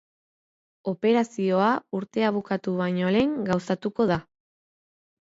Operazioa urtea bukatu baino lehen gauzatuko da.